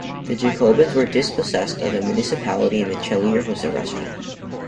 The Jacobins were dispossessed of the municipality and Chalier was arrested.